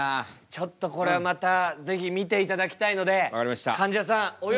ちょっとこれはまた是非見ていただきたいのでかんじゃさんお呼びします。